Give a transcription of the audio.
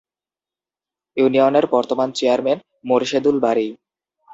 ইউনিয়নের বর্তমান চেয়ারম্যান মোরশেদুল বারী